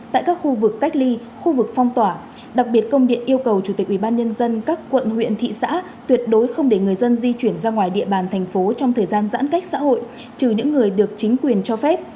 tại các khu vực cách ly khu vực phong tỏa đặc biệt công điện yêu cầu chủ tịch ubnd các quận huyện thị xã tuyệt đối không để người dân di chuyển ra ngoài địa bàn thành phố trong thời gian giãn cách xã hội trừ những người được chính quyền cho phép